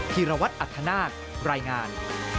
ธีรวัตรอัธนาครายงาน